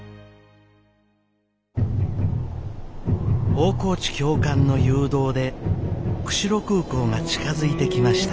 大河内教官の誘導で釧路空港が近づいてきました。